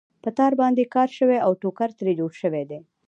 په تار باندې کار شوی او ټوکر ترې جوړ شوی دی.